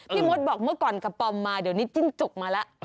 มดบอกเมื่อก่อนกระป๋อมมาเดี๋ยวนี้จิ้งจุกมาแล้ว